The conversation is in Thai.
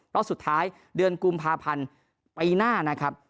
รอบสุดท้ายเดือนกุมภาพันธ์ปีหน้านะครับ